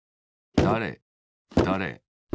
だれだれ